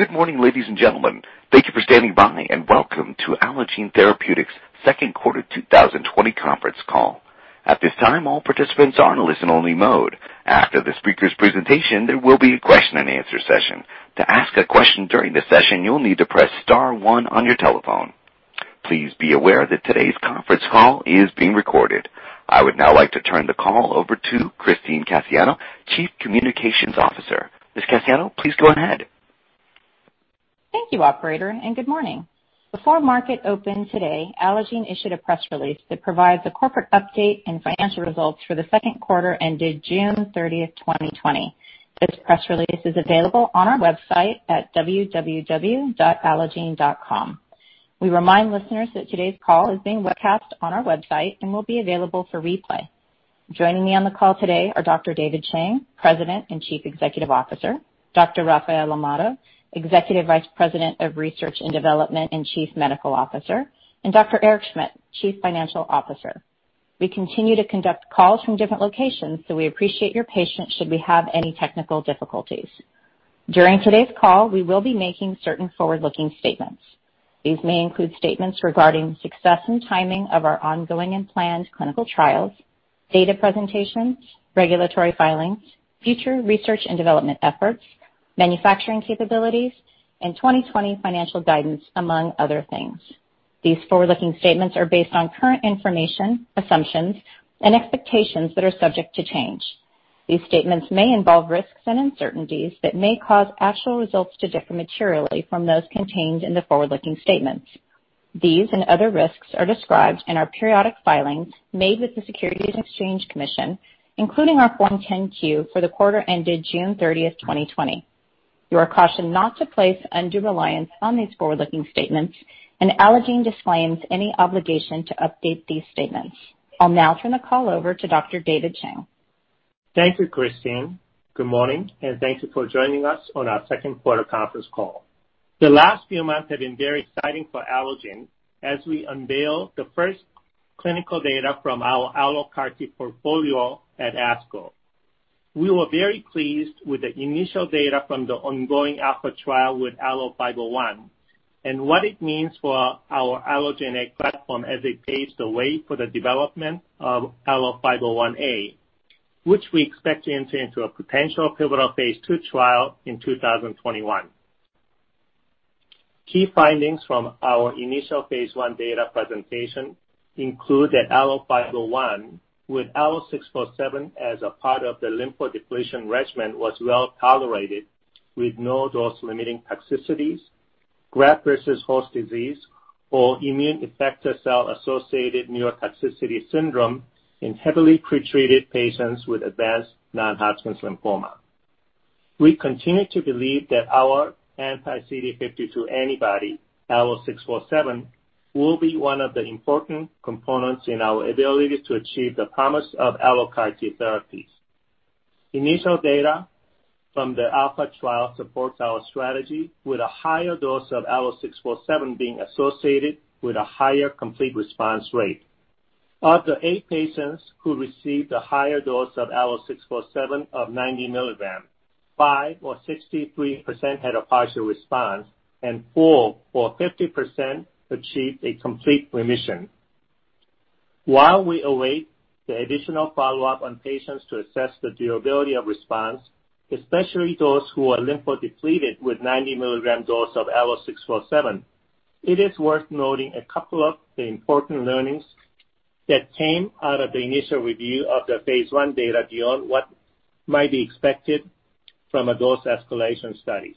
Good morning, ladies and gentlemen. Thank you for standing by, and welcome to Allogene Therapeutics' second quarter 2020 conference call. At this time, all participants are in listen-only mode. After the speaker's presentation, there will be a question-and-answer session. To ask a question during the session, you'll need to press star one on your telephone. Please be aware that today's conference call is being recorded. I would now like to turn the call over to Christine Cassiano, Chief Communications Officer. Ms. Cassiano, please go ahead. Thank you, Operator, and good morning. Before market open today, Allogene issued a press release that provides a corporate update and financial results for the second quarter ended June 30, 2020. This press release is available on our website at www.allogene.com. We remind listeners that today's call is being webcast on our website and will be available for replay. Joining me on the call today are Dr. David Chang, President and Chief Executive Officer; Dr. Rafael Amado, Executive Vice President of Research and Development and Chief Medical Officer; and Dr. Eric Schmidt, Chief Financial Officer. We continue to conduct calls from different locations, so we appreciate your patience should we have any technical difficulties. During today's call, we will be making certain forward-looking statements. These may include statements regarding the success and timing of our ongoing and planned clinical trials, data presentations, regulatory filings, future research and development efforts, manufacturing capabilities, and 2020 financial guidance, among other things. These forward-looking statements are based on current information, assumptions, and expectations that are subject to change. These statements may involve risks and uncertainties that may cause actual results to differ materially from those contained in the forward-looking statements. These and other risks are described in our periodic filings made with the Securities and Exchange Commission, including our Form 10-Q for the quarter ended June 30, 2020. You are cautioned not to place undue reliance on these forward-looking statements, and Allogene disclaims any obligation to update these statements. I'll now turn the call over to Dr. David Chang. Thank you, Christine. Good morning, and thank you for joining us on our second quarter conference call. The last few months have been very exciting for Allogene Therapeutics as we unveiled the first clinical data from our AlloCAR T portfolio at ASCO. We were very pleased with the initial data from the ongoing ALPHA trial with ALLO-501 and what it means for our Allogene platform as it paves the way for the development of ALLO-501A, which we expect to enter into a potential pivotal phase two trial in 2021. Key findings from our initial phase one data presentation include that ALLO-501, with ALLO-647 as a part of the lymphodepletion regimen, was well tolerated with no dose-limiting toxicities, graft versus host disease, or immune effector cell-associated neurotoxicity syndrome in heavily pretreated patients with advanced non-Hodgkin's lymphoma. We continue to believe that our anti-CD52 antibody, ALLO-647, will be one of the important components in our ability to achieve the promise of AlloCAR T therapies. Initial data from the ALPHA trial supports our strategy, with a higher dose of ALLO-647 being associated with a higher complete response rate. Of the eight patients who received a higher dose of ALLO-647 of 90 mg, five or 63% had a partial response, and four or 50% achieved a complete remission. While we await the additional follow-up on patients to assess the durability of response, especially those who are lymphodepleted with a 90 mg dose of ALLO-647, it is worth noting a couple of the important learnings that came out of the initial review of the phase one data beyond what might be expected from a dose escalation study.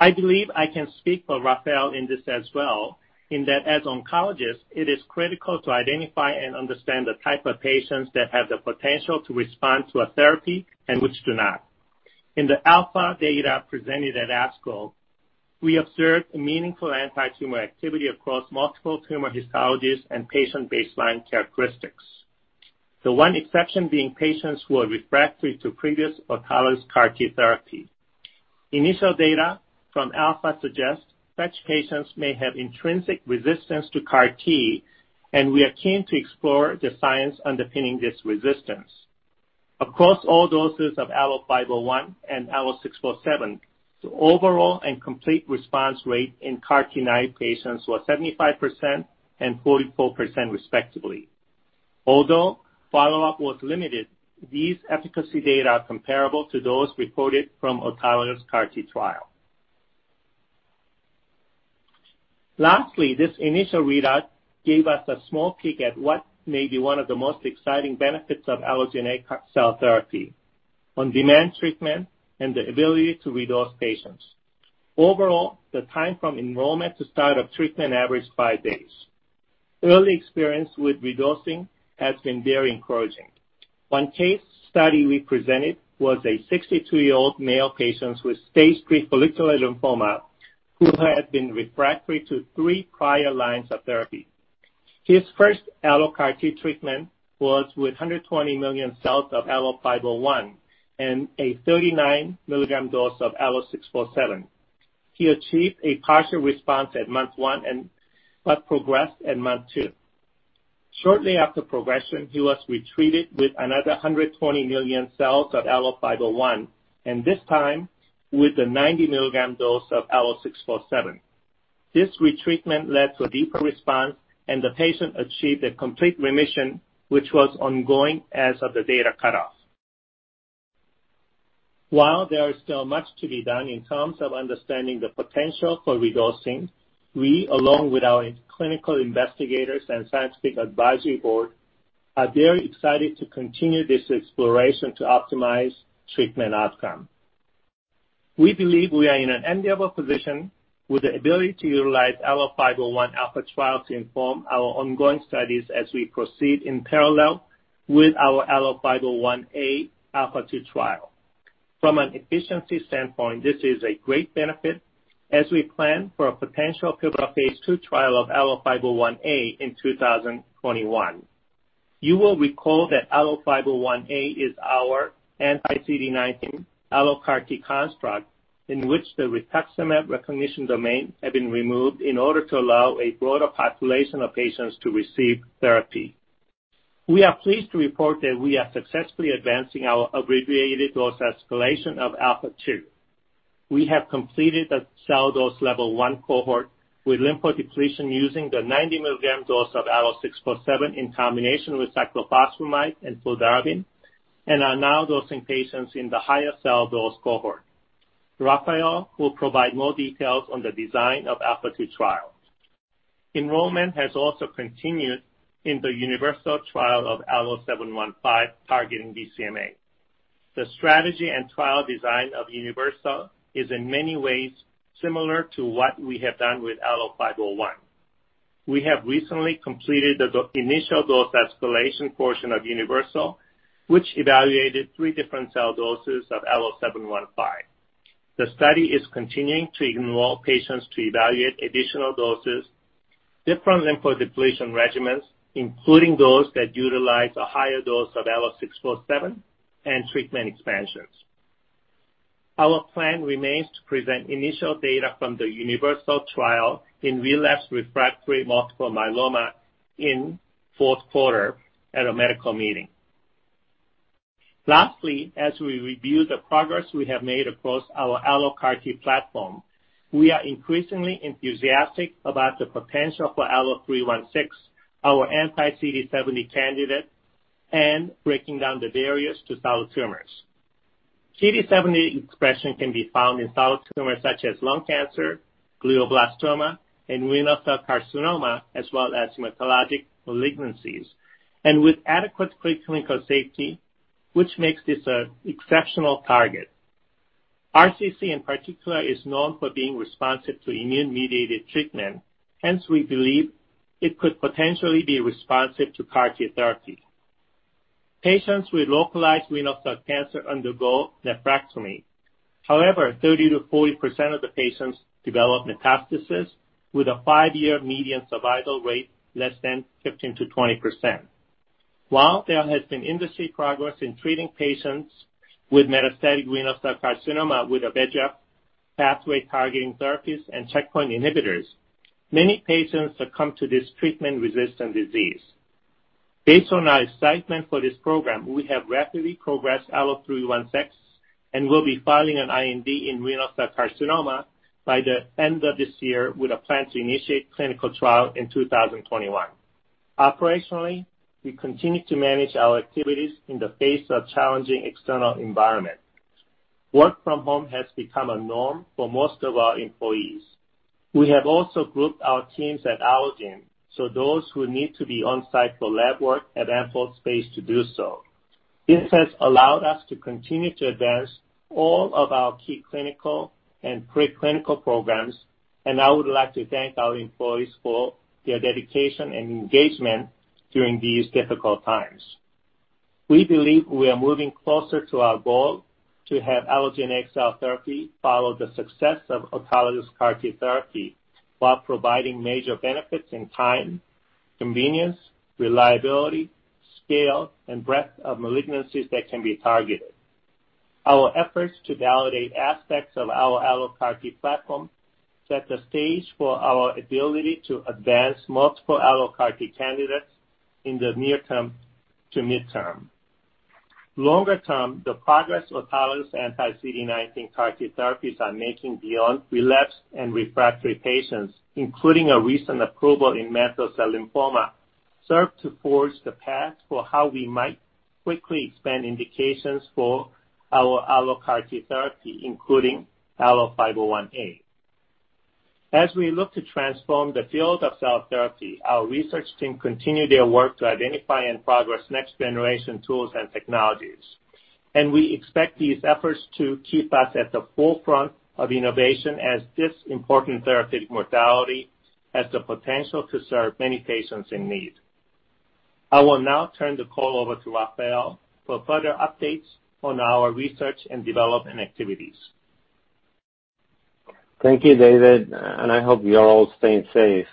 I believe I can speak for Rafael in this as well, in that as oncologists, it is critical to identify and understand the type of patients that have the potential to respond to a therapy and which do not. In the ALPHA data presented at ASCO, we observed meaningful anti-tumor activity across multiple tumor histologies and patient baseline characteristics, the one exception being patients who are refractory to previous or tolerant CAR-T therapy. Initial data from ALPHA suggest such patients may have intrinsic resistance to CAR-T, and we are keen to explore the science underpinning this resistance. Across all doses of ALLO-501 and ALLO-647, the overall and complete response rate in CAR-T naive patients was 75% and 44%, respectively. Although follow-up was limited, these efficacy data are comparable to those reported from a tolerant CAR-T trial. Lastly, this initial readout gave us a small peek at what may be one of the most exciting benefits of Allogene cell therapy: on-demand treatment and the ability to re-dose patients. Overall, the time from enrollment to start of treatment averaged five days. Early experience with re-dosing has been very encouraging. One case study we presented was a 62-year-old male patient with stage III follicular lymphoma who had been refractory to three prior lines of therapy. His first AlloCAR T treatment was with 120 million cells of ALLO-501 and a 39 milligram dose of ALLO-647. He achieved a partial response at month one but progressed at month two. Shortly after progression, he was retreated with another 120 million cells of ALLO-501, and this time with the 90 milligram dose of ALLO-647. This retreatment led to a deeper response, and the patient achieved a complete remission, which was ongoing as of the data cutoff. While there is still much to be done in terms of understanding the potential for re-dosing, we, along with our clinical investigators and scientific advisory board, are very excited to continue this exploration to optimize treatment outcomes. We believe we are in an enviable position with the ability to utilize ALLO-501A trial to inform our ongoing studies as we proceed in parallel with our ALLO-501A ALPHA2 trial. From an efficiency standpoint, this is a great benefit as we plan for a potential pivotal phase two trial of ALLO-501A in 2021. You will recall that ALLO-501A is our anti-CD19 AlloCAR T construct in which the rituximab recognition domain had been removed in order to allow a broader population of patients to receive therapy. We are pleased to report that we are successfully advancing our abbreviated dose escalation of ALPHA2. We have completed the cell dose level one cohort with lymphodepletion using the 90 mg dose of ALLO-647 in combination with cyclophosphamide and fludarabine, and are now dosing patients in the higher cell dose cohort. Rafael will provide more details on the design of the ALPHA2 trial. Enrollment has also continued in the UNIVERSAL trial of ALLO-715 targeting BCMA. The strategy and trial design of UNIVERSAL is in many ways similar to what we have done with ALLO-501. We have recently completed the initial dose escalation portion of UNIVERSAL, which evaluated three different cell doses of ALLO-715. The study is continuing to enroll patients to evaluate additional doses, different lymphodepletion regimens, including those that utilize a higher dose of ALLO-647, and treatment expansions. Our plan remains to present initial data from the UNIVERSAL trial in relapsed refractory multiple myeloma in fourth quarter at a medical meeting. Lastly, as we review the progress we have made across our AlloCAR T platform, we are increasingly enthusiastic about the potential for ALLO-316, our anti-CD70 candidate, and breaking down the barriers to solid tumors. CD70 expression can be found in solid tumors such as lung cancer, glioblastoma, and renal cell carcinoma, as well as hematologic malignancies, and with adequate preclinical safety, which makes this an exceptional target. RCC, in particular, is known for being responsive to immune-mediated treatment. Hence, we believe it could potentially be responsive to CAR-T therapy. Patients with localized renal cell cancer undergo nephrectomy. However, 30%-40% of the patients develop metastasis, with a five-year median survival rate less than 15%-20%. While there has been industry progress in treating patients with metastatic renal cell carcinoma with VEGF pathway targeting therapies and checkpoint inhibitors, many patients succumb to this treatment-resistant disease. Based on our excitement for this program, we have rapidly progressed ALLO-316 and will be filing an IND in renal cell carcinoma by the end of this year, with a plan to initiate clinical trial in 2021. Operationally, we continue to manage our activities in the face of challenging external environments. Work from home has become a norm for most of our employees. We have also grouped our teams at Allogene so those who need to be on-site for lab work have ample space to do so. This has allowed us to continue to advance all of our key clinical and preclinical programs, and I would like to thank our employees for their dedication and engagement during these difficult times. We believe we are moving closer to our goal to have Allogene cell therapy follow the success of autologous CAR-T therapy while providing major benefits in time, convenience, reliability, scale, and breadth of malignancies that can be targeted. Our efforts to validate aspects of our AlloCAR T platform set the stage for our ability to advance multiple AlloCAR T candidates in the near term to midterm. Longer term, the progress autologous anti-CD19 CAR-T therapies are making beyond relapsed and refractory patients, including a recent approval in mantle cell lymphoma, serve to forge the path for how we might quickly expand indications for our AlloCAR T therapy, including ALLO-501A. As we look to transform the field of cell therapy, our research team continues their work to identify and progress next-generation tools and technologies, and we expect these efforts to keep us at the forefront of innovation as this important therapeutic modality has the potential to serve many patients in need. I will now turn the call over to Rafael for further updates on our research and development activities. Thank you, David, and I hope you're all staying safe.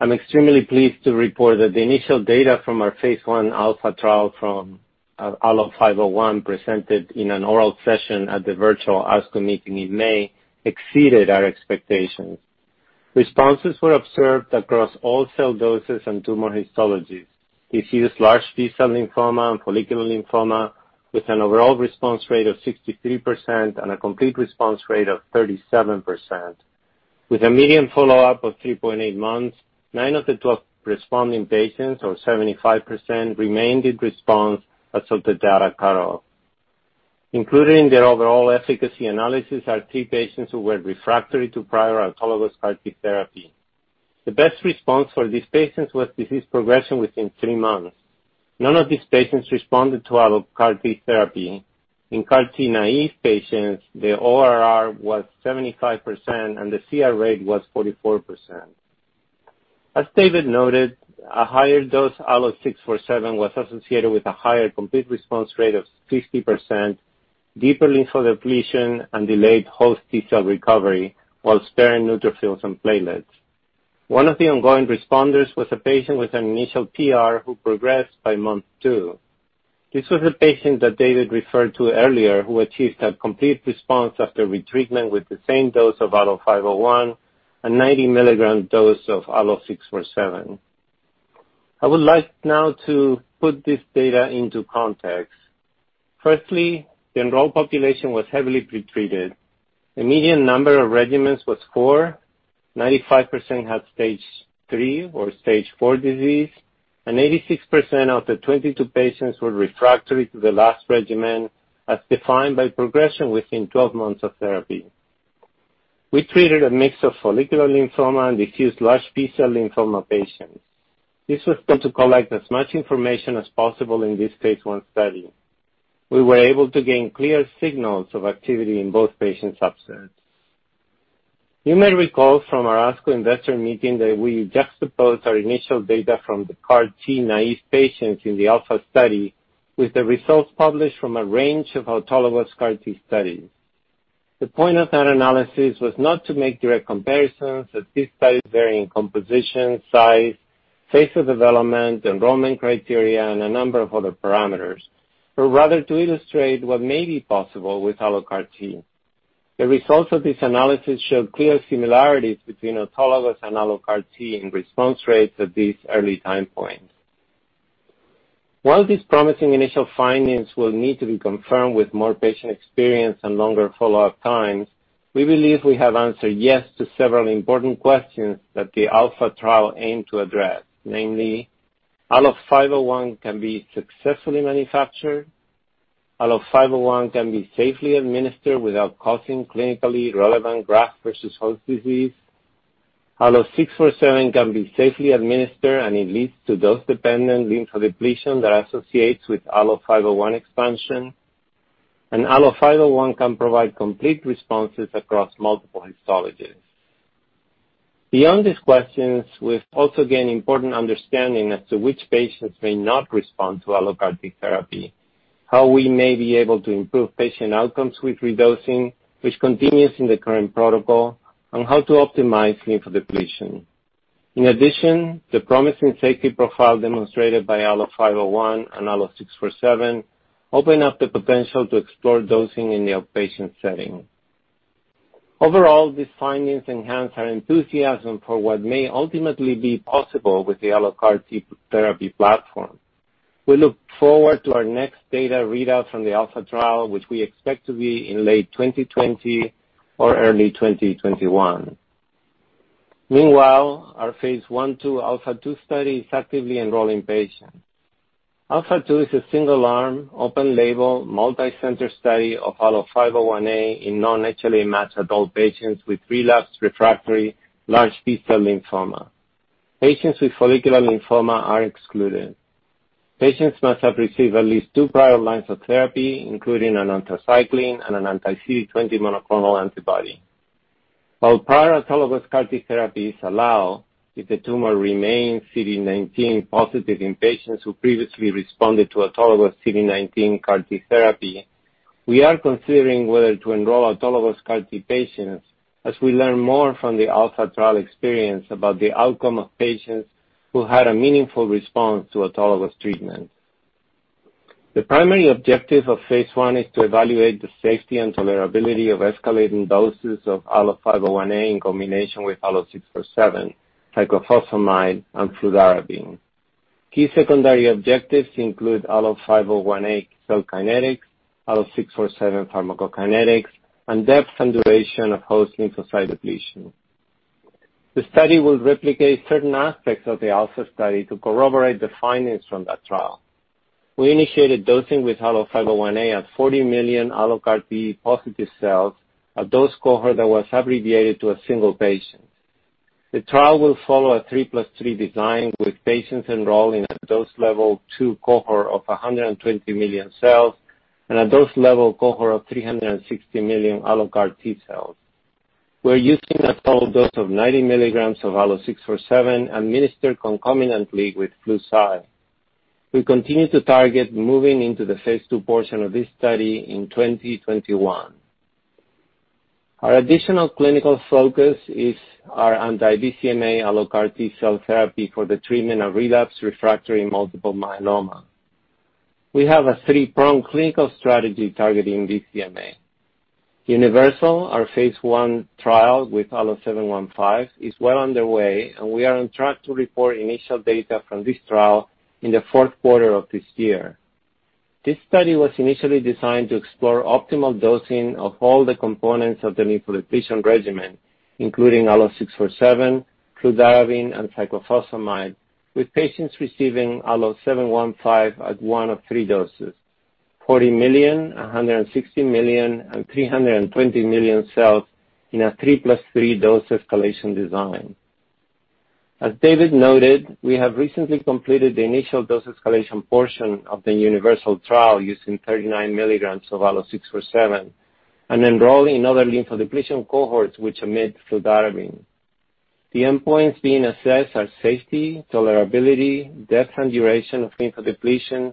I'm extremely pleased to report that the initial data from our phase one ALPHA trial from ALLO-501 presented in an oral session at the virtual ASCO meeting in May exceeded our expectations. Responses were observed across all cell doses and tumor histologies. Diffuse large B cell lymphoma and follicular lymphoma with an overall response rate of 63% and a complete response rate of 37%. With a median follow-up of 3.8 months, 9 of the 12 responding patients, or 75%, remained in response until the data cut off. Included in the overall efficacy analysis are three patients who were refractory to prior autologous CAR-T therapy. The best response for these patients was disease progression within three months. None of these patients responded to AlloCAR T therapy. In CAR-T naive patients, the ORR was 75%, and the CR rate was 44%. As David noted, a higher dose ALLO-647 was associated with a higher complete response rate of 50%, deeper lymphodepletion, and delayed host T cell recovery while sparing neutrophils and platelets. One of the ongoing responders was a patient with an initial PR who progressed by month two. This was the patient that David referred to earlier who achieved a complete response after retreatment with the same dose of ALLO-501, a 90 milligram dose of ALLO-647. I would like now to put this data into context. Firstly, the enrolled population was heavily pretreated. The median number of regimens was four; 95% had stage III or stage IV disease, and 86% of the 22 patients were refractory to the last regimen as defined by progression within 12 months of therapy. We treated a mix of follicular lymphoma and diffuse large B-cell lymphoma patients. This was to collect as much information as possible in this phase one study. We were able to gain clear signals of activity in both patient subsets. You may recall from our ASCO investor meeting that we juxtaposed our initial data from the CAR-T naive patients in the ALPHA study with the results published from a range of autologous CAR-T studies. The point of that analysis was not to make direct comparisons of these studies varying in composition, size, phase of development, enrollment criteria, and a number of other parameters, but rather to illustrate what may be possible with AlloCAR T. The results of this analysis showed clear similarities between autologous and AlloCAR T in response rates at these early time points. While these promising initial findings will need to be confirmed with more patient experience and longer follow-up times, we believe we have answered yes to several important questions that the ALPHA trial aimed to address, namely, ALLO-501 can be successfully manufactured, ALLO-501 can be safely administered without causing clinically relevant graft versus host disease, ALLO-647 can be safely administered and it leads to dose-dependent lymphodepletion that associates with ALLO-501 expansion, and ALLO-501 can provide complete responses across multiple histologies. Beyond these questions, we've also gained important understanding as to which patients may not respond to AlloCAR T therapy, how we may be able to improve patient outcomes with re-dosing, which continues in the current protocol, and how to optimize lymphodepletion. In addition, the promising safety profile demonstrated by ALLO-501 and ALLO-647 opened up the potential to explore dosing in the outpatient setting. Overall, these findings enhance our enthusiasm for what may ultimately be possible with the AlloCAR T therapy platform. We look forward to our next data readout from the ALPHA trial, which we expect to be in late 2020 or early 2021. Meanwhile, our phase one to phase two study is actively enrolling patients. ALPHA2 is a single-arm, open-label, multi-center study of ALLO-501A in non-HLA match adult patients with relapsed refractory large B cell lymphoma. Patients with follicular lymphoma are excluded. Patients must have received at least two prior lines of therapy, including an anthracycline and an anti-CD20 monoclonal antibody. While prior autologous CAR-T therapy is allowed if the tumor remains CD19 positive in patients who previously responded to autologous CD19 CAR-T therapy, we are considering whether to enroll autologous CAR-T patients as we learn more from the ALPHA trial experience about the outcome of patients who had a meaningful response to autologous treatment. The primary objective of phase one is to evaluate the safety and tolerability of escalating doses of ALLO-501A in combination with ALLO-647, cyclophosphamide, and fludarabine. Key secondary objectives include ALLO-501A cell kinetics, ALLO-647 pharmacokinetics, and depth and duration of host lymphocyte depletion. The study will replicate certain aspects of the ALPHA trial to corroborate the findings from that trial. We initiated dosing with ALLO-501A at 40 million AlloCAR T positive cells, a dose cohort that was abbreviated to a single patient. The trial will follow a 3+3 design with patients enrolled in a dose level two cohort of 120 million cells and a dose level cohort of 360 million AlloCAR T cells. We're using a total dose of 90 mg of ALLO-647 administered concomitantly with flu. We continue to target moving into the phase two portion of this study in 2021. Our additional clinical focus is our anti-BCMA AlloCAR T cell therapy for the treatment of relapsed refractory multiple myeloma. We have a three-pronged clinical strategy targeting BCMA. UNIVERSAL, our phase one trial with ALLO-715, is well underway, and we are on track to report initial data from this trial in the fourth quarter of this year. This study was initially designed to explore optimal dosing of all the components of the lymphodepletion regimen, including ALLO-647, fludarabine, and cyclophosphamide, with patients receiving ALLO-715 at one of three doses: 40 million, 160 million, and 320 million cells in a 3+3 dose escalation design. As David noted, we have recently completed the initial dose escalation portion of the UNIVERSAL trial using 39 milligrams of ALLO-647 and enrolling in other lymphodepletion cohorts which omit fludarabine. The endpoints being assessed are safety, tolerability, depth and duration of lymphodepletion,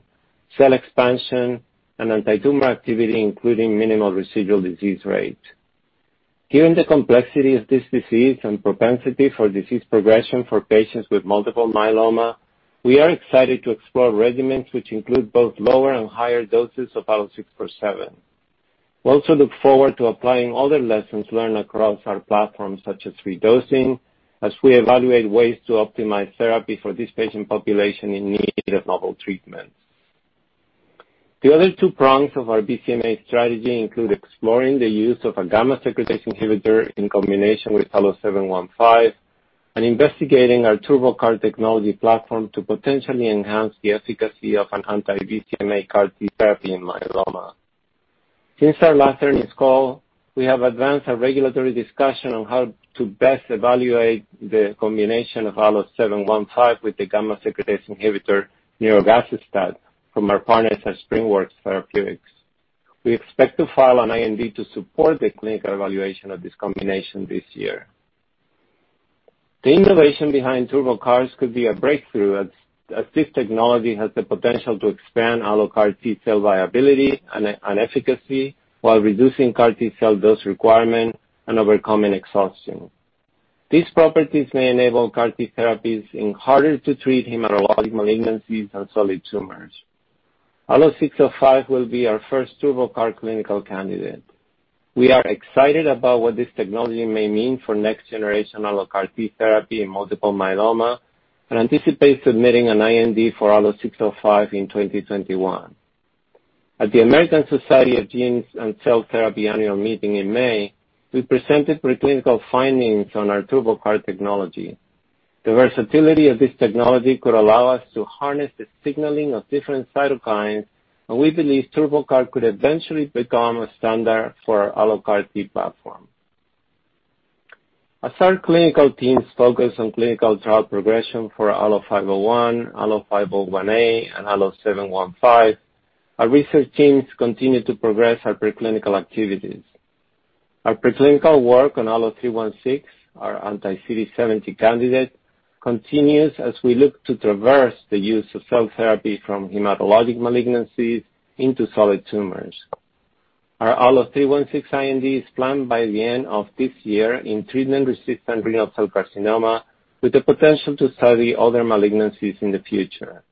cell expansion, and anti-tumor activity, including minimal residual disease rate. Given the complexity of this disease and propensity for disease progression for patients with multiple myeloma, we are excited to explore regimens which include both lower and higher doses of ALLO-647. We also look forward to applying other lessons learned across our platform, such as re-dosing, as we evaluate ways to optimize therapy for this patient population in need of novel treatments. The other two prongs of our BCMA strategy include exploring the use of a gamma secretase inhibitor in combination with ALLO-715 and investigating our TurboCAR technology platform to potentially enhance the efficacy of an anti-BCMA CAR-T therapy in myeloma. Since our last earnings call, we have advanced our regulatory discussion on how to best evaluate the combination of ALLO-715 with the gamma secretase inhibitor nirogacestat from our partners at SpringWorks Therapeutics. We expect to file an IND to support the clinical evaluation of this combination this year. The innovation behind TurboCARs could be a breakthrough as this technology has the potential to expand AlloCAR T cell viability and efficacy while reducing CAR-T cell dose requirement and overcoming exhaustion. These properties may enable CAR-T therapies in harder-to-treat hematologic malignancies and solid tumors. ALLO-605 will be our first TurboCAR clinical candidate. We are excited about what this technology may mean for next-generation AlloCAR T therapy in multiple myeloma and anticipate submitting an IND for ALLO-605 in 2021. At the American Society of Gene and Cell Therapy annual meeting in May, we presented preclinical findings on our TurboCAR technology. The versatility of this technology could allow us to harness the signaling of different cytokines, and we believe TurboCAR could eventually become a standard for our AlloCAR T platform. As our clinical teams focus on clinical trial progression for ALLO-501, ALLO-501A, and ALLO-715, our research teams continue to progress our preclinical activities. Our preclinical work on ALLO-316, our anti-CD70 candidate, continues as we look to traverse the use of cell therapy from hematologic malignancies into solid tumors. Our ALLO-316 IND is planned by the end of this year in treatment-resistant renal cell carcinoma with the potential to study other malignancies in the future.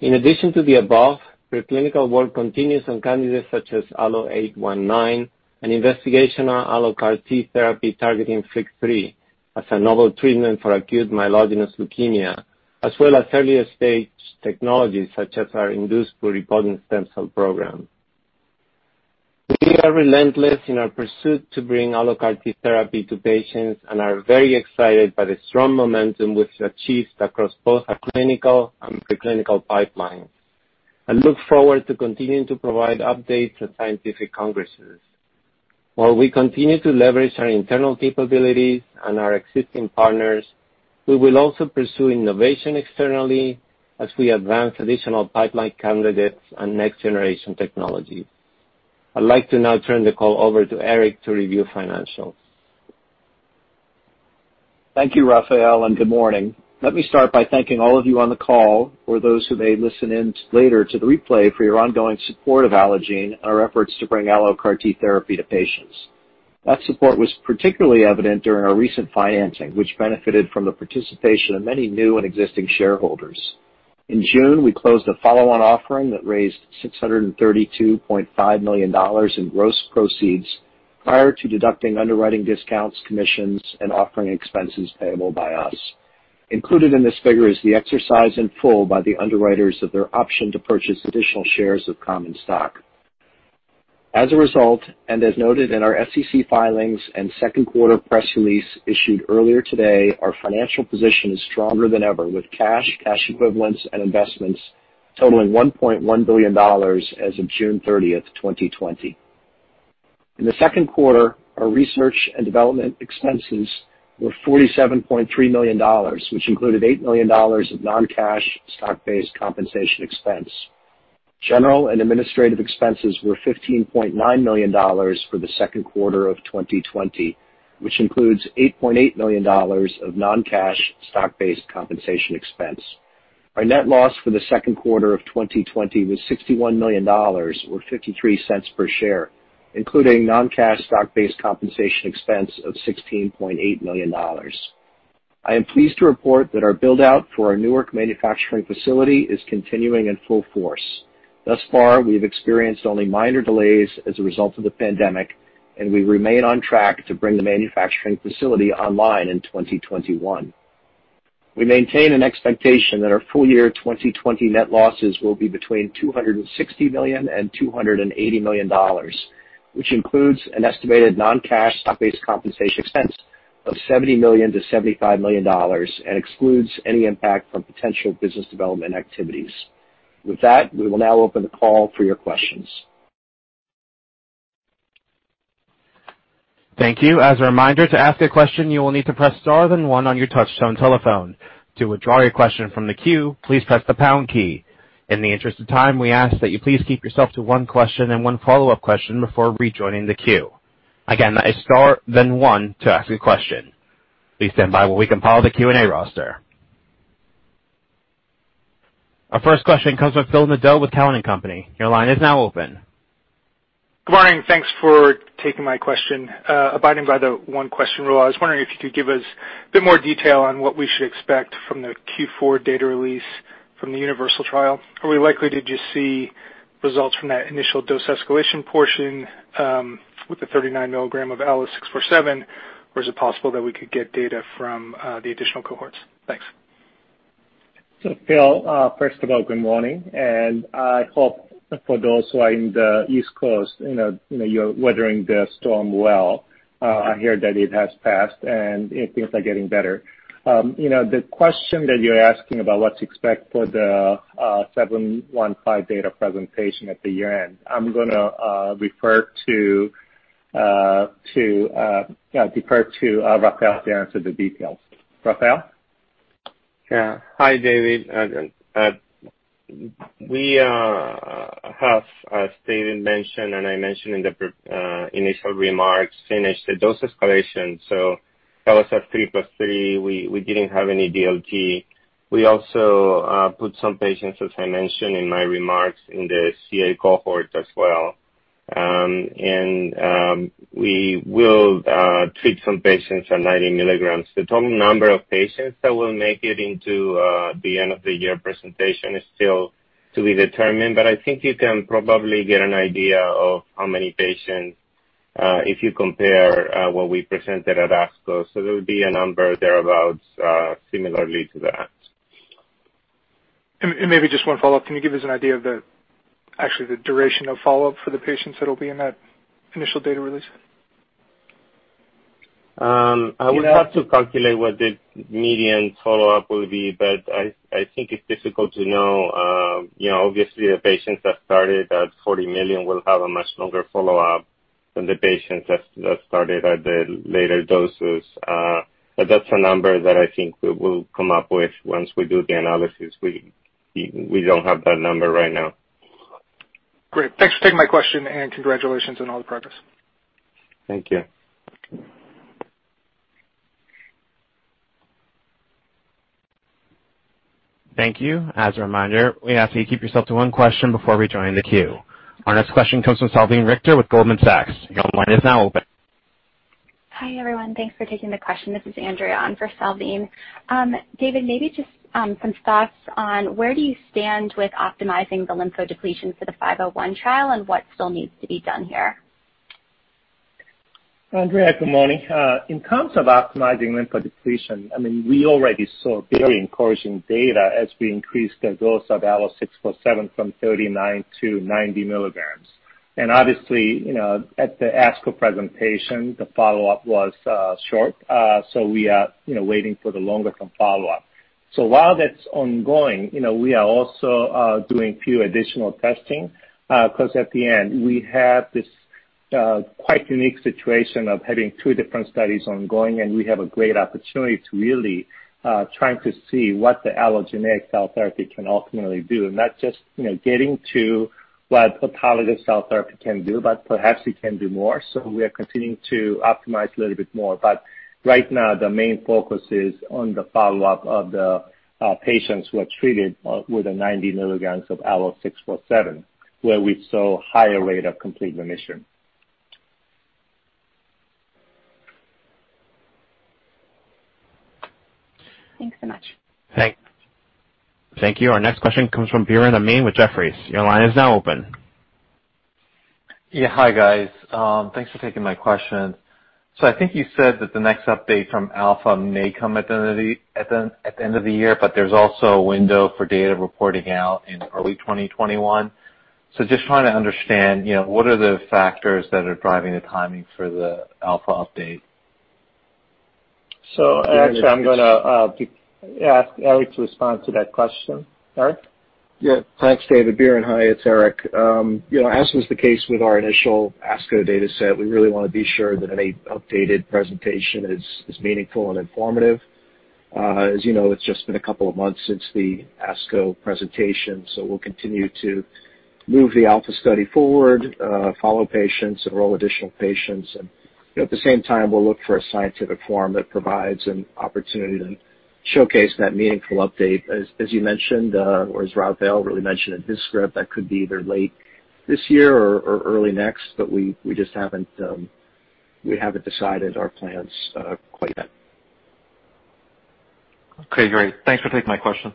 In addition to the above, preclinical work continues on candidates such as ALLO-819 and investigation on AlloCAR T therapy targeting FLT3 as a novel treatment for acute myelogenous leukemia, as well as earlier stage technologies such as our induced pluripotent stem cell program. We are relentless in our pursuit to bring AlloCAR T therapy to patients and are very excited by the strong momentum we've achieved across both our clinical and preclinical pipelines. I look forward to continuing to provide updates at scientific congresses. While we continue to leverage our internal capabilities and our existing partners, we will also pursue innovation externally as we advance additional pipeline candidates and next-generation technologies. I'd like to now turn the call over to Eric to review financials. Thank you, Rafael, and good morning. Let me start by thanking all of you on the call or those who may listen in later to the replay for your ongoing support of Allogene and our efforts to bring AlloCAR T therapy to patients. That support was particularly evident during our recent financing, which benefited from the participation of many new and existing shareholders. In June, we closed a follow-on offering that raised $632.5 million in gross proceeds prior to deducting underwriting discounts, commissions, and offering expenses payable by us. Included in this figure is the exercise in full by the underwriters of their option to purchase additional shares of common stock. As a result, and as noted in our SEC filings and second quarter press release issued earlier today, our financial position is stronger than ever with cash, cash equivalents, and investments totaling $1.1 billion as of June 30, 2020. In the second quarter, our research and development expenses were $47.3 million, which included $8 million of non-cash stock-based compensation expense. General and administrative expenses were $15.9 million for the second quarter of 2020, which includes $8.8 million of non-cash stock-based compensation expense. Our net loss for the second quarter of 2020 was $61 million or $0.53 per share, including non-cash stock-based compensation expense of $16.8 million. I am pleased to report that our build-out for our Newark manufacturing facility is continuing in full force. Thus far, we've experienced only minor delays as a result of the pandemic, and we remain on track to bring the manufacturing facility online in 2021. We maintain an expectation that our full year 2020 net losses will be between $260 million and $280 million, which includes an estimated non-cash stock-based compensation expense of $70 million-$75 million and excludes any impact from potential business development activities. With that, we will now open the call for your questions. Thank you. As a reminder, to ask a question, you will need to press star then one on your touchtone telephone. To withdraw your question from the queue, please press the pound key. In the interest of time, we ask that you please keep yourself to one question and one follow-up question before rejoining the queue. Again, that is star then one to ask a question. Please stand by while we compile the Q&A roster. Our first question comes from Phil Nadeau with Cowen & Company. Your line is now open. Good morning. Thanks for taking my question. Abiding by the one-question rule, I was wondering if you could give us a bit more detail on what we should expect from the Q4 data release from the UNIVERSAL trial. Are we likely to just see results from that initial dose escalation portion with the 39 milligram of ALLO-647, or is it possible that we could get data from the additional cohorts? Thanks. Phil, first of all, good morning. I hope for those who are in the East Coast, you're weathering the storm well. I hear that it has passed and things are getting better. The question that you're asking about what to expect for the 715 data presentation at the year-end, I'm going to refer to Rafael to answer the details. Rafael? Yeah. Hi, David. We have, as David mentioned and I mentioned in the initial remarks, finished the dose escalation. That was a 3+3. We did not have any DLT. We also put some patients, as I mentioned in my remarks, in the CA cohort as well. We will treat some patients at 90 milligrams. The total number of patients that will make it into the end-of-the-year presentation is still to be determined, but I think you can probably get an idea of how many patients if you compare what we presented at ASCO. There will be a number thereabouts similarly to that. Maybe just one follow-up. Can you give us an idea of actually the duration of follow-up for the patients that will be in that initial data release? I would have to calculate what the median follow-up will be, but I think it is difficult to know. Obviously, the patients that started at 40 million will have a much longer follow-up than the patients that started at the later doses. That is a number that I think we will come up with once we do the analysis. We do not have that number right now. Great. Thanks for taking my question and congratulations on all the progress. Thank you. Thank you. As a reminder, we ask that you keep yourself to one question before rejoining the queue. Our next question comes from Salveen Richter with Goldman Sachs. Your line is now open. Hi, everyone. Thanks for taking the question. This is Andrea on for Salveen. David, maybe just some thoughts on where do you stand with optimizing the lymphodepletion for the 501 trial and what still needs to be done here? Andrea, good morning. In terms of optimizing lymphodepletion, I mean, we already saw very encouraging data as we increased the dose of ALLO-647 from 39 to 90 milligrams. Obviously, at the ASCO presentation, the follow-up was short, so we are waiting for the longer-term follow-up. While that's ongoing, we are also doing a few additional testing because at the end, we have this quite unique situation of having two different studies ongoing, and we have a great opportunity to really try to see what the allogeneic cell therapy can ultimately do. That's just getting to what autologous cell therapy can do, but perhaps it can do more. We are continuing to optimize a little bit more. Right now, the main focus is on the follow-up of the patients who are treated with the 90 milligrams of ALLO-647, where we saw a higher rate of complete remission. Thanks so much. Thank you. Our next question comes from Biren Amin with Jefferies. Your line is now open. Yeah. Hi, guys. Thanks for taking my question. I think you said that the next update from ALPHA may come at the end of the year, but there's also a window for data reporting out in early 2021. Just trying to understand what are the factors that are driving the timing for the ALPHA update. Actually, I'm going to ask Eric to respond to that question. Eric? Yeah. Thanks, David. Biren, hi. It's Eric. As was the case with our initial ASCO data set, we really want to be sure that any updated presentation is meaningful and informative. As you know, it's just been a couple of months since the ASCO presentation, so we'll continue to move the ALPHA study forward, follow patients, enroll additional patients. At the same time, we'll look for a scientific forum that provides an opportunity to showcase that meaningful update. As you mentioned, or as Rafael really mentioned in his script, that could be either late this year or early next, but we just haven't decided our plans quite yet. Okay. Great. Thanks for taking my question.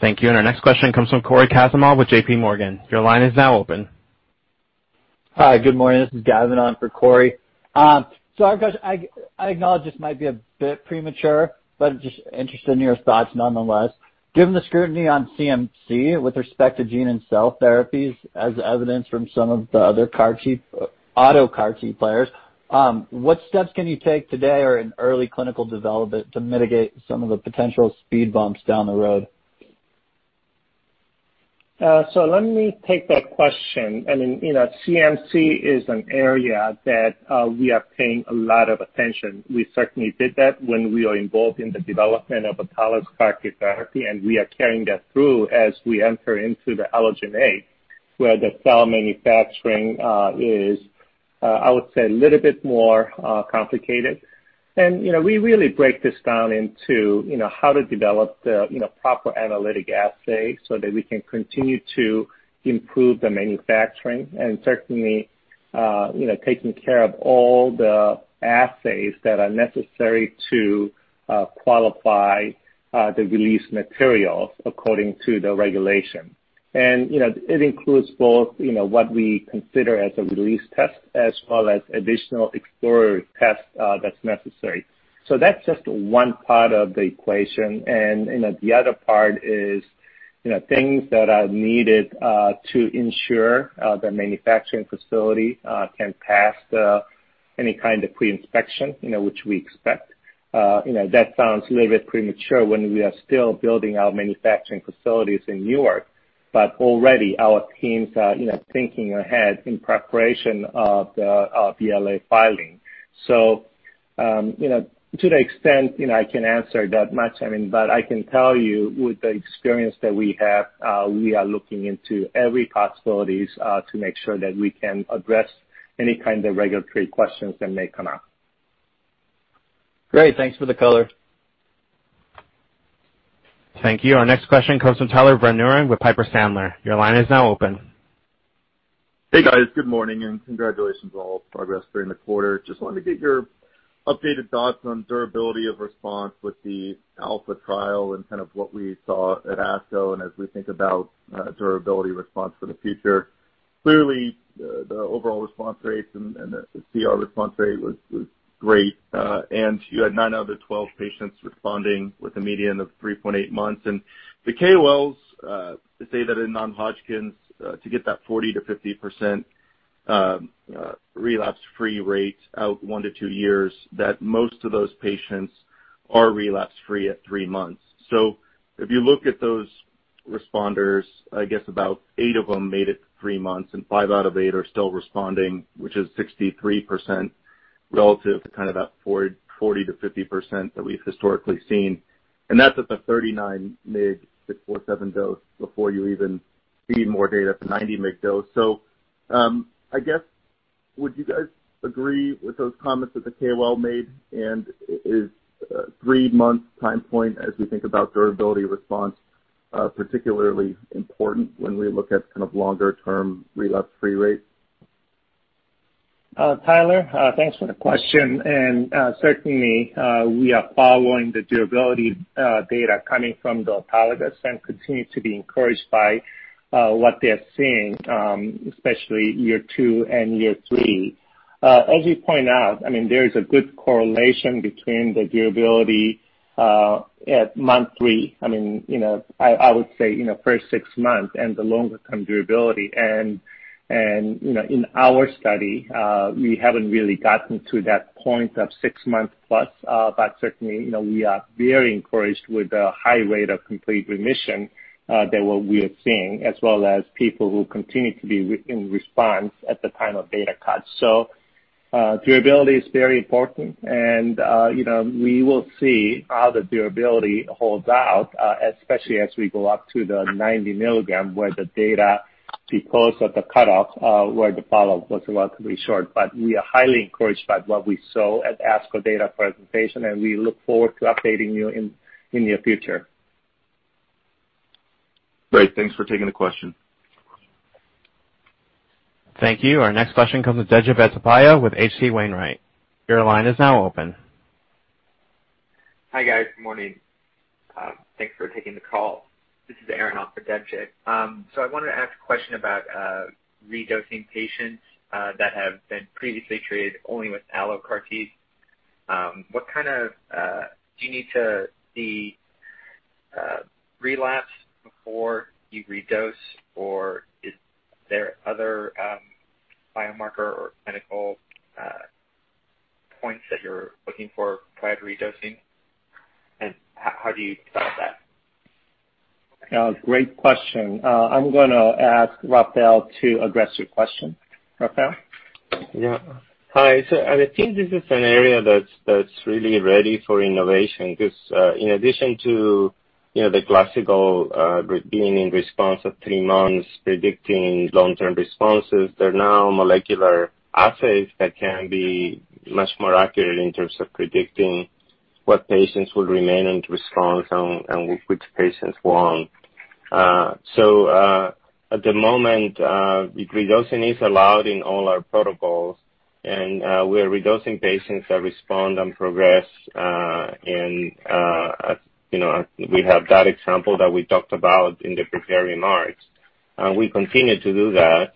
Thank you. Our next question comes from Cory Kasimov with JPMorgan. Your line is now open. Hi. Good morning. This is Gavin on for Cory. I acknowledge this might be a bit premature, but just interested in your thoughts nonetheless. Given the scrutiny on CMC with respect to gene and cell therapies as evidenced from some of the other auto CAR-T players, what steps can you take today or in early clinical development to mitigate some of the potential speed bumps down the road? Let me take that question. I mean, CMC is an area that we are paying a lot of attention. We certainly did that when we were involved in the development of autologous CAR-T therapy, and we are carrying that through as we enter into the allogeneic, where the cell manufacturing is, I would say, a little bit more complicated. We really break this down into how to develop the proper analytic assay so that we can continue to improve the manufacturing and certainly taking care of all the assays that are necessary to qualify the release materials according to the regulation. It includes both what we consider as a release test as well as additional exploratory tests that's necessary. That's just one part of the equation. The other part is things that are needed to ensure the manufacturing facility can pass any kind of pre-inspection, which we expect. That sounds a little bit premature when we are still building our manufacturing facilities in Newark, but already our teams are thinking ahead in preparation of the BLA filing. To the extent I can answer that much, I mean, but I can tell you with the experience that we have, we are looking into every possibility to make sure that we can address any kind of regulatory questions that may come up. Great. Thanks for the color. Thank you. Our next question comes from Tyler Van Buren with Piper Sandler. Your line is now open. Hey, guys. Good morning and congratulations on all the progress during the quarter. Just wanted to get your updated thoughts on durability of response with the ALPHA trial and kind of what we saw at ASCO and as we think about durability of response for the future. Clearly, the overall response rate and the CR response rate was great. You had nine out of the twelve patients responding with a median of 3.8 months. The KOLs say that in non-Hodgkin's, to get that 40-50% relapse-free rate out one to two years, most of those patients are relapse-free at three months. If you look at those responders, I guess about eight of them made it three months, and five out of eight are still responding, which is 63% relative to kind of that 40-50% that we've historically seen. That's at the 39 mg 647 dose before you even see more data at the 90 mg dose. I guess, would you guys agree with those comments that the KOL made? Is a three-month time point, as we think about durability response, particularly important when we look at kind of longer-term relapse-free rates? Tyler, thanks for the question. Certainly, we are following the durability data coming from the autologous and continue to be encouraged by what they're seeing, especially year two and year three. As you point out, I mean, there is a good correlation between the durability at month three, I mean, I would say first six months, and the longer-term durability. In our study, we haven't really gotten to that point of six months+, but certainly, we are very encouraged with a high rate of complete remission that we are seeing, as well as people who continue to be in response at the time of data cut. Durability is very important, and we will see how the durability holds out, especially as we go up to the 90 milligram, where the data, because of the cutoff, where the follow-up was relatively short. We are highly encouraged by what we saw at the ASCO data presentation, and we look forward to updating you in the near future. Great. Thanks for taking the question. Thank you. Our next question comes from Debjit Chattopadhyay with H.C. Wainwright. Your line is now open. Hi, guys. Good morning. Thanks for taking the call. This is Aaron off for Debjit. I wanted to ask a question about redosing patients that have been previously treated only with AlloCAR Ts. Do you need to see relapse before you redose, or is there another biomarker or clinical points that you're looking for prior to redosing? How do you solve that? Great question. I'm going to ask Rafael to address your question. Rafael? Yeah. Hi. I think this is an area that's really ready for innovation because in addition to the classical being in response of three months, predicting long-term responses, there are now molecular assays that can be much more accurate in terms of predicting what patients will remain in response and which patients won't. At the moment, redosing is allowed in all our protocols, and we are redosing patients that respond and progress. We have that example that we talked about in the preparing marks. We continue to do that.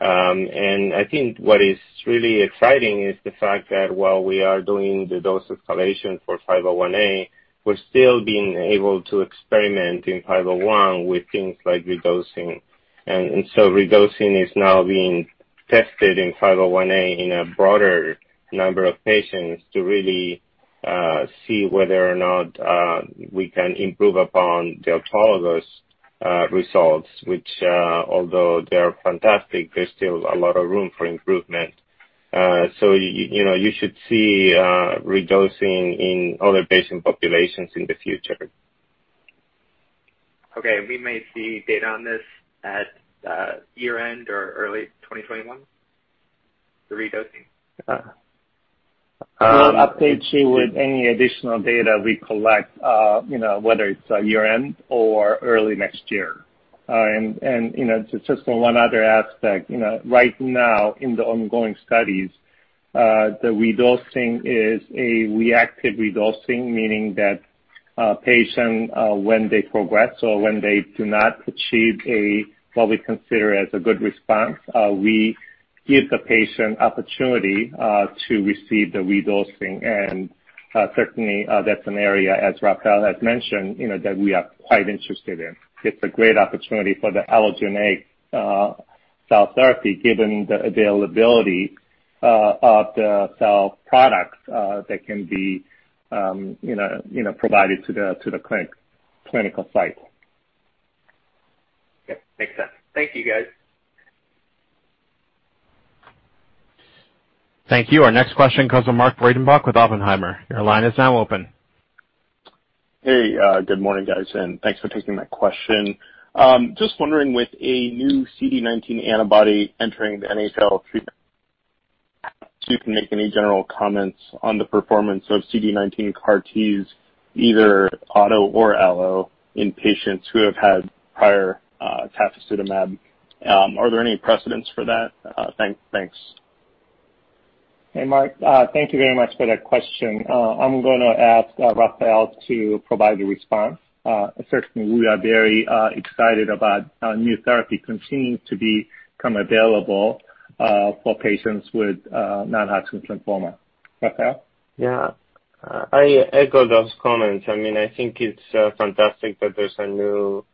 I think what is really exciting is the fact that while we are doing the dose escalation for 501A, we're still being able to experiment in 501 with things like redosing. Redosing is now being tested in 501A in a broader number of patients to really see whether or not we can improve upon the autologous results, which, although they are fantastic, there is still a lot of room for improvement. You should see redosing in other patient populations in the future. Okay. We may see data on this at year-end or early 2021, the redosing? We will update you with any additional data we collect, whether it is year-end or early next year. Just one other aspect. Right now, in the ongoing studies, the redosing is a reactive redosing, meaning that patients, when they progress or when they do not achieve what we consider as a good response, we give the patient opportunity to receive the redosing. Certainly, that is an area, as Rafael has mentioned, that we are quite interested in. It's a great opportunity for the allogeneic cell therapy given the availability of the cell products that can be provided to the clinical site. Okay. Makes sense. Thank you, guys. Thank you. Our next question comes from Mark Breidenbach with Oppenheimer. Your line is now open. Hey. Good morning, guys. And thanks for taking my question. Just wondering, with a new CD19 antibody entering the NHL treatment, you can make any general comments on the performance of CD19 CAR-Ts, either auto or allo, in patients who have had prior tafosidomab? Are there any precedents for that? Thanks. Hey, Mark. Thank you very much for that question. I'm going to ask Rafael to provide the response. Certainly, we are very excited about new therapy continuing to become available for patients with non-Hodgkin's lymphoma. Rafael? Yeah. I echo those comments. I mean, I think it's fantastic that there's a new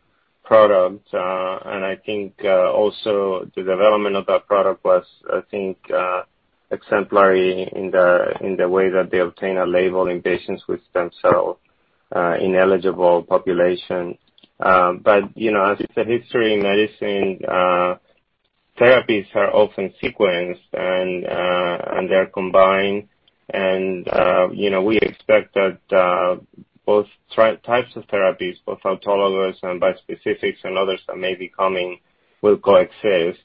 product. I think also the development of that product was exemplary in the way that they obtain a label in patients with stem cell ineligible population. As the history in medicine, therapies are often sequenced, and they're combined. We expect that both types of therapies, both autologous and bispecifics and others that may be coming, will coexist.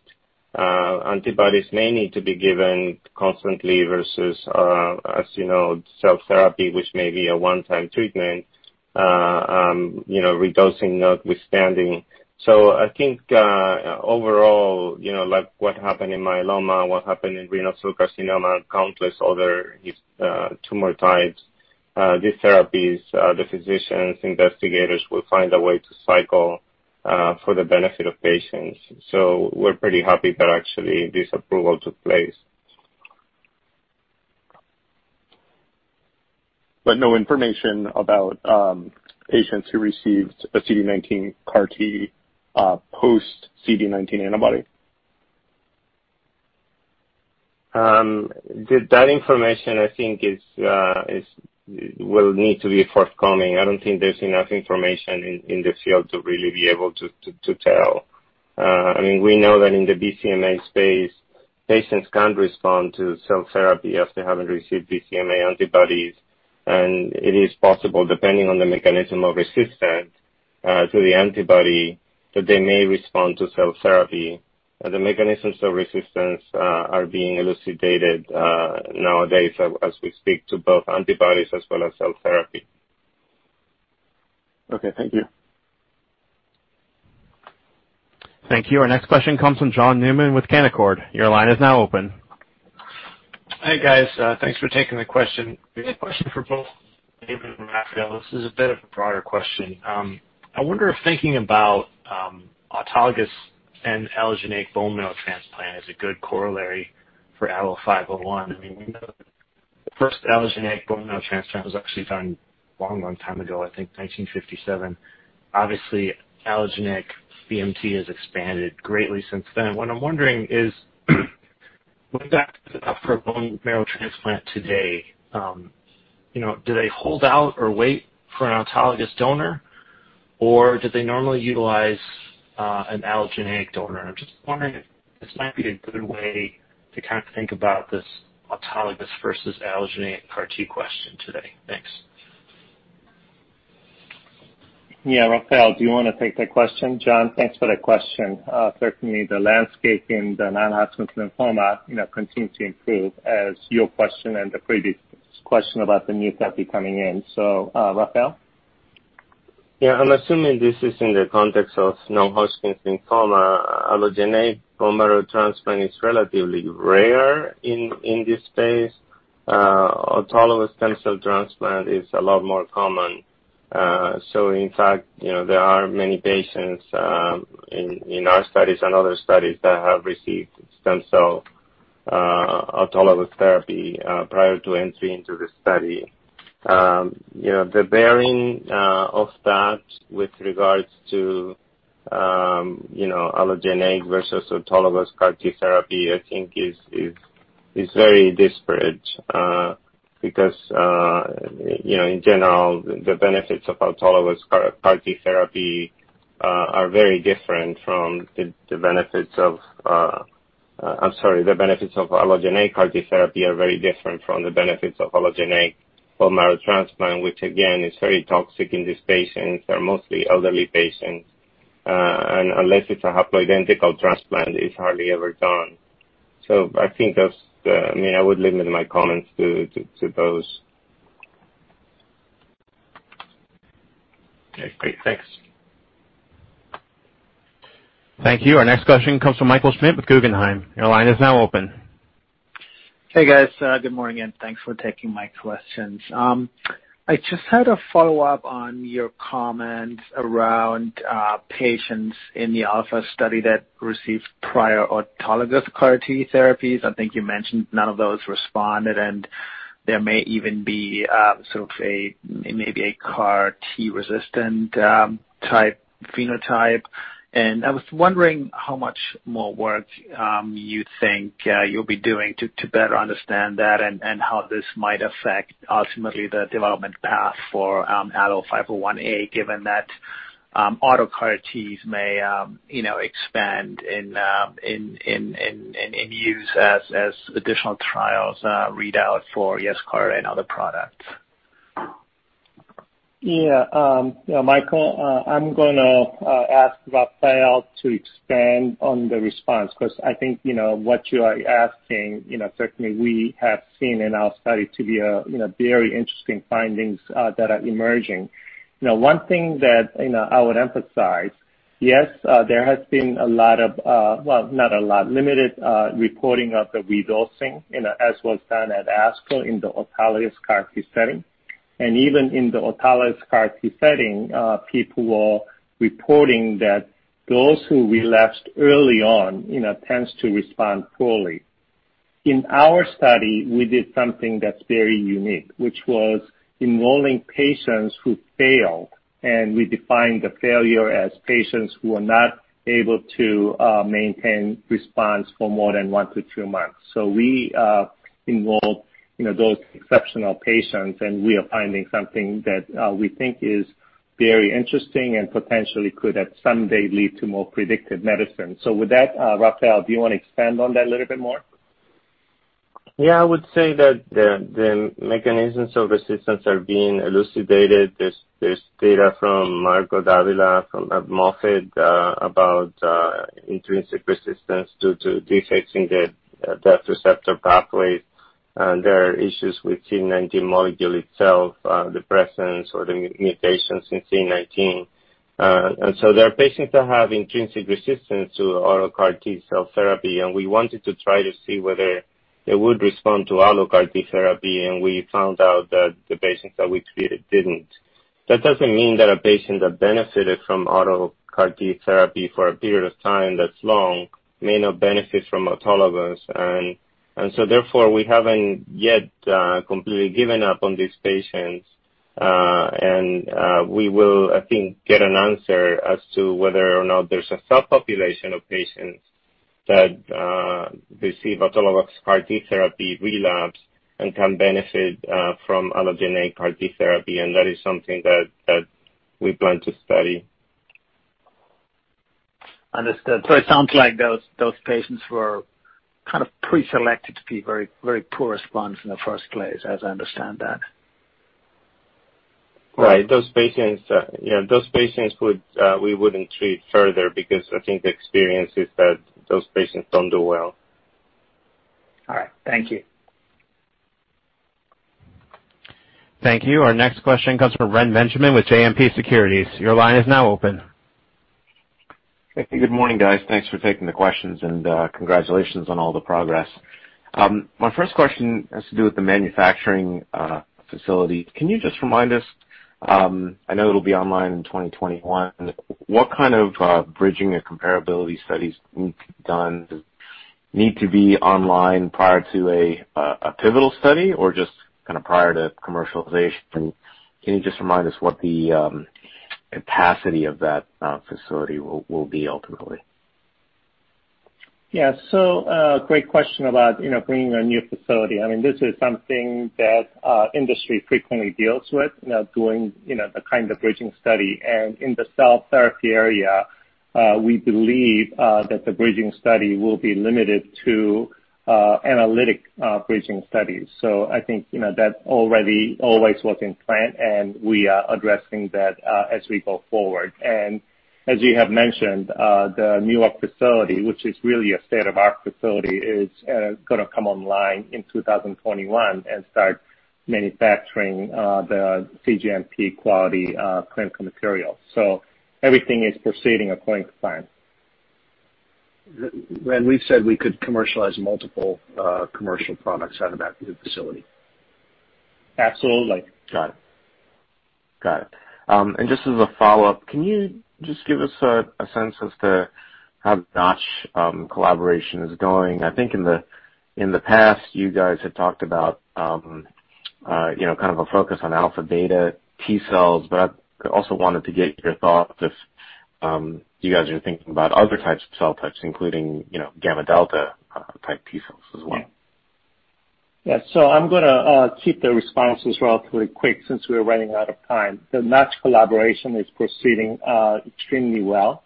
Antibodies may need to be given constantly versus, as you know, cell therapy, which may be a one-time treatment, redosing notwithstanding. I think overall, like what happened in myeloma, what happened in renal cell carcinoma, countless other tumor types, these therapies, the physicians, investigators will find a way to cycle for the benefit of patients. We're pretty happy that actually this approval took place. No information about patients who received a CD19 CAR-T post-CD19 antibody? That information, I think, will need to be forthcoming. I don't think there's enough information in the field to really be able to tell. I mean, we know that in the BCMA space, patients can respond to cell therapy if they haven't received BCMA antibodies. It is possible, depending on the mechanism of resistance to the antibody, that they may respond to cell therapy. The mechanisms of resistance are being elucidated nowadays as we speak to both antibodies as well as cell therapy. Okay. Thank you. Thank you. Our next question comes from John Newman with Canaccord. Your line is now open. Hey, guys. Thanks for taking the question. Great question for both David and Rafael. This is a bit of a broader question. I wonder if thinking about autologous and allogeneic bone marrow transplant is a good corollary for ALLO-501A. I mean, we know the first allogeneic bone marrow transplant was actually done a long, long time ago, I think 1957. Obviously, allogeneic BMT has expanded greatly since then. What I'm wondering is, with that proposed bone marrow transplant today, do they hold out or wait for an autologous donor, or do they normally utilize an allogeneic donor? I'm just wondering if this might be a good way to kind of think about this autologous versus allogeneic CAR-T question today. Thanks. Yeah. Rafael, do you want to take that question? John, thanks for that question. Certainly, the landscape in the non-Hodgkin's lymphoma continues to improve as your question and the previous question about the new therapy coming in. So Rafael? Yeah. I'm assuming this is in the context of non-Hodgkin's lymphoma. Allogeneic bone marrow transplant is relatively rare in this space. Autologous stem cell transplant is a lot more common. In fact, there are many patients in our studies and other studies that have received stem cell autologous therapy prior to entry into the study. The bearing of that with regards to allogeneic versus autologous CAR-T therapy, I think, is very disparate because, in general, the benefits of autologous CAR-T therapy are very different from the benefits of—I'm sorry, the benefits of allogeneic CAR-T therapy are very different from the benefits of allogeneic bone marrow transplant, which, again, is very toxic in these patients. They're mostly elderly patients. Unless it's a haploidentical transplant, it's hardly ever done. I think that's—I mean, I would limit my comments to those. Okay. Great. Thanks. Thank you. Our next question comes from Michael Schmidt with Guggenheim. Your line is now open. Hey, guys. Good morning and thanks for taking my questions. I just had a follow-up on your comments around patients in the ALLO-501A study that received prior autologous CAR-T therapies. I think you mentioned none of those responded, and there may even be sort of a maybe a CAR-T resistant type phenotype. I was wondering how much more work you think you'll be doing to better understand that and how this might affect, ultimately, the development path for ALLO-501A, given that autologous CAR-Ts may expand in use as additional trials read out for Yescarta and other products. Yeah. Michael, I'm going to ask Rafael to expand on the response because I think what you are asking, certainly, we have seen in our study to be very interesting findings that are emerging. One thing that I would emphasize, yes, there has been a lot of, well, not a lot, limited reporting of the redosing as was done at ASCO in the autologous CAR-T setting. Even in the autologous CAR-T setting, people were reporting that those who relapsed early on tend to respond poorly. In our study, we did something that's very unique, which was enrolling patients who failed, and we defined the failure as patients who were not able to maintain response for more than one to two months. We enrolled those exceptional patients, and we are finding something that we think is very interesting and potentially could, at some day, lead to more predictive medicine. With that, Rafael, do you want to expand on that a little bit more? Yeah. I would say that the mechanisms of resistance are being elucidated. There's data from Marco Davila from Moffitt about intrinsic resistance due to defects in the death receptor pathways. There are issues with the CD19 molecule itself, the presence or the mutations in CD19. There are patients that have intrinsic resistance to auto CAR T cell therapy, and we wanted to try to see whether they would respond to AlloCAR T therapy. We found out that the patients that we treated did not. That does not mean that a patient that benefited from auto CAR T therapy for a period of time that's long may not benefit from autologous. Therefore, we have not yet completely given up on these patients. We will, I think, get an answer as to whether or not there is a subpopulation of patients that receive autologous CAR-T therapy, relapse, and can benefit from allogeneic CAR-T therapy. That is something that we plan to study. Understood. It sounds like those patients were kind of preselected to be very poor responders in the first place, as I understand that. Right. Yeah. Those patients we would not treat further because I think the experience is that those patients do not do well. All right. Thank you. Thank you. Our next question comes from Reni Benjamin with JMP Securities. Your line is now open. Hey. Good morning, guys. Thanks for taking the questions, and congratulations on all the progress. My first question has to do with the manufacturing facility. Can you just remind us—I know it will be online in 2021—what kind of bridging or comparability studies need to be done? Does it need to be online prior to a pivotal study or just prior to commercialization? Can you just remind us what the capacity of that facility will be ultimately? Yeah. Great question about bringing a new facility. I mean, this is something that industry frequently deals with, doing the kind of bridging study. In the cell therapy area, we believe that the bridging study will be limited to analytic bridging studies. I think that already always was in plan, and we are addressing that as we go forward. As you have mentioned, the Newark facility, which is really a state-of-the-art facility, is going to come online in 2021 and start manufacturing the CGMP quality clinical materials. Everything is proceeding according to plan. Ren, we've said we could commercialize multiple commercial products out of that new facility. Absolutely. Got it. Got it. Just as a follow-up, can you just give us a sense as to how the Notch collaboration is going? I think in the past, you guys had talked about kind of a focus on alpha beta T cells, but I also wanted to get your thoughts if you guys are thinking about other types of cell types, including gamma delta type T cells as well. Yeah. I'm going to keep the responses relatively quick since we're running out of time. The Notch collaboration is proceeding extremely well.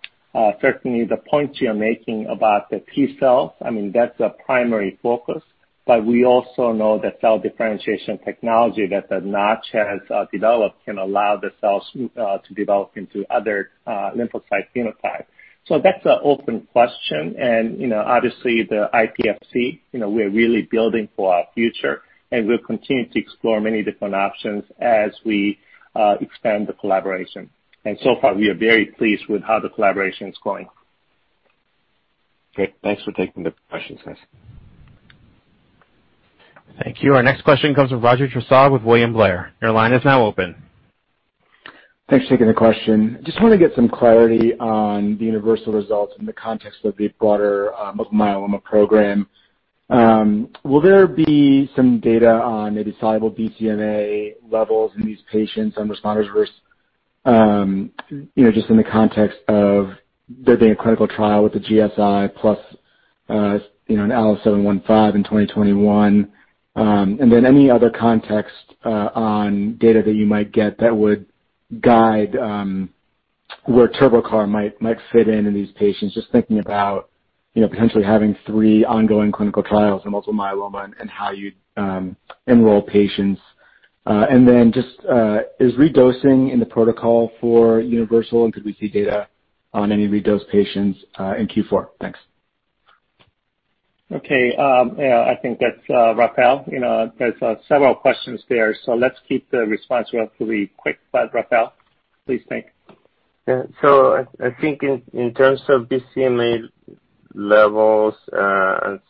Certainly, the points you're making about the T cells, I mean, that's a primary focus. We also know that cell differentiation technology that Notch has developed can allow the cells to develop into other lymphocyte phenotypes. That's an open question. Obviously, the iPSC, we're really building for our future, and we'll continue to explore many different options as we expand the collaboration. So far, we are very pleased with how the collaboration is going. Great. Thanks for taking the questions, guys. Thank you. Our next question comes from Raju Prasad with William Blair. Your line is now open. Thanks for taking the question. Just wanted to get some clarity on the UNIVERSAL results in the context of the broader myeloma program. Will there be some data on maybe soluble BCMA levels in these patients and responders versus just in the context of there being a clinical trial with the GSI + an ALLO-715 in 2021? Any other context on data that you might get that would guide where TurboCAR might fit in in these patients, just thinking about potentially having three ongoing clinical trials in multiple myeloma and how you'd enroll patients? Is redosing in the protocol for UNIVERSAL? Could we see data on any redosed patients in Q4? Thanks. Okay. Yeah. I think that's Rafael. There's several questions there. Let's keep the response relatively quick. Rafael, please take. Yeah. I think in terms of BCMA levels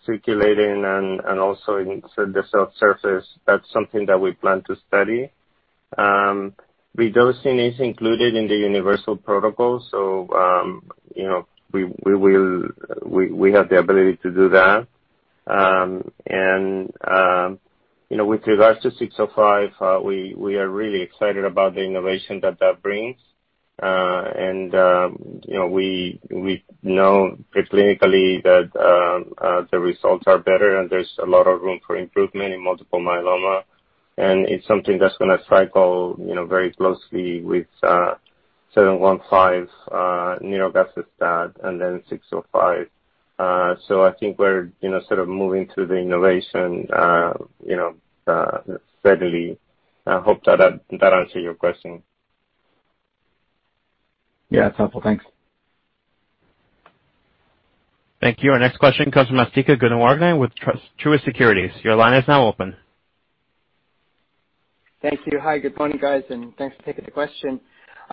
circulating and also in the cell surface, that's something that we plan to study. Redosing is included in the UNIVERSAL protocol, so we have the ability to do that. With regards to 605, we are really excited about the innovation that that brings. We know pre-clinically that the results are better, and there's a lot of room for improvement in multiple myeloma. It's something that's going to cycle very closely with 715, nirogacestat, and then 605. I think we're sort of moving through the innovation steadily. I hope that answered your question. Yeah. That's helpful. Thanks. Thank you. Our next question comes from Asthika Goonewardene with Truist Securities. Your line is now open. Thank you. Hi. Good morning, guys, and thanks for taking the question.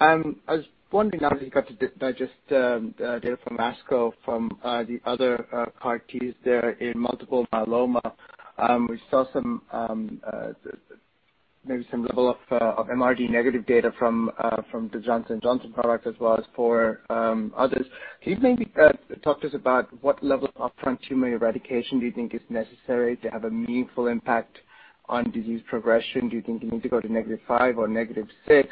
I was wondering now that you got the data from ASCO from the other CAR-Ts there in multiple myeloma. We saw maybe some level of MRD negative data from the Johnson & Johnson product as well as for others. Can you maybe talk to us about what level of upfront tumor eradication do you think is necessary to have a meaningful impact on disease progression? Do you think you need to go to negative 5 or negative 6?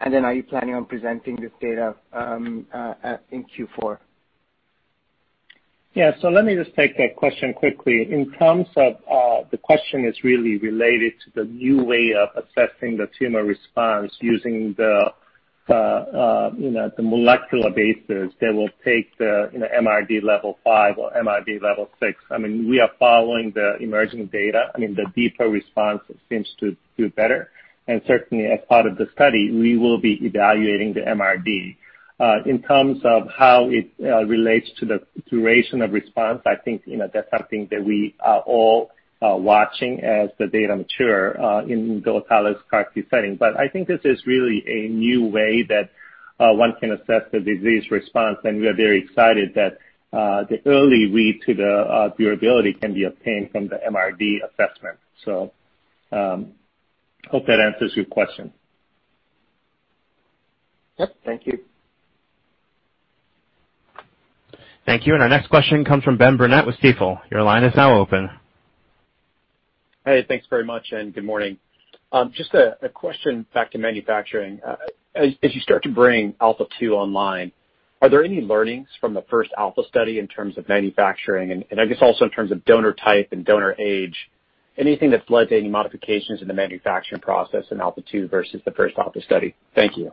Are you planning on presenting this data in Q4? Yeah. Let me just take that question quickly. In terms of the question, it is really related to the new way of assessing the tumor response using the molecular basis that will take the MRD level 5 or MRD level 6. I mean, we are following the emerging data. I mean, the deeper response seems to do better. Certainly, as part of the study, we will be evaluating the MRD. In terms of how it relates to the duration of response, I think that's something that we are all watching as the data mature in the autologous CAR-T setting. I think this is really a new way that one can assess the disease response, and we are very excited that the early read to the durability can be obtained from the MRD assessment. I hope that answers your question. Yep. Thank you. Thank you. Our next question comes from Ben Burnett with Stifel. Your line is now open. Hey. Thanks very much, and good morning. Just a question back to manufacturing. As you start to bring ALPHA 2 online, are there any learnings from the first ALPHA study in terms of manufacturing and I guess also in terms of donor type and donor age? Anything that's led to any modifications in the manufacturing process in ALPHA 2 versus the first ALPHA study? Thank you.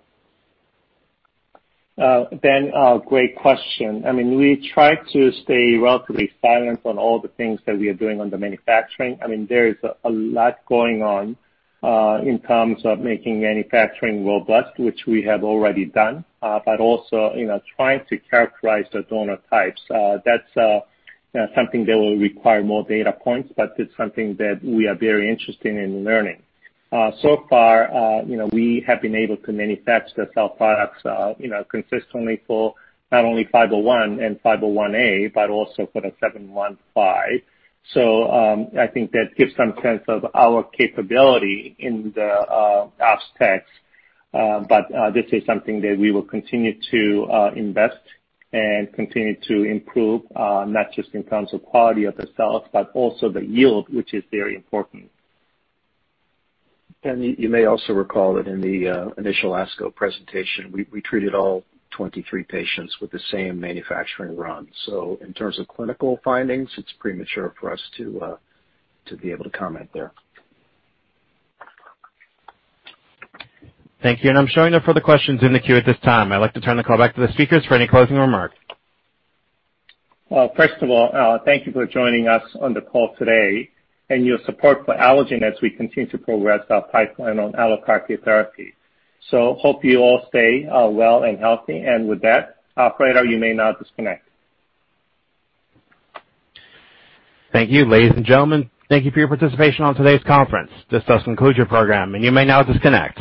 Ben, great question. I mean, we try to stay relatively silent on all the things that we are doing on the manufacturing. I mean, there is a lot going on in terms of making manufacturing robust, which we have already done, but also trying to characterize the donor types. That's something that will require more data points, but it's something that we are very interested in learning. So far, we have been able to manufacture the cell products consistently for not only 501 and 501A, but also for the 715. I think that gives some sense of our capability in the ops techs. This is something that we will continue to invest and continue to improve, not just in terms of quality of the cells, but also the yield, which is very important. Ben, you may also recall that in the initial ASCO presentation, we treated all 23 patients with the same manufacturing run. In terms of clinical findings, it's premature for us to be able to comment there. Thank you. I'm showing no further questions in the queue at this time. I'd like to turn the call back to the speakers for any closing remark. First of all, thank you for joining us on the call today and your support for Allogene as we continue to progress our pipeline on AlloCAR T therapy. Hope you all stay well and healthy. With that, Alfredo, you may now disconnect. Thank you, ladies and gentlemen. Thank you for your participation on today's conference. This does conclude your program, and you may now disconnect.